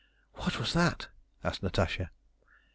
"What was that?" asked Natasha.